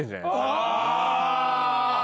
あ！